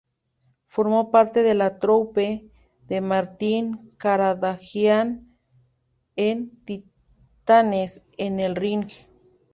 Formó parte de la troupe de Martín Karadagián en "Titanes en el Ring".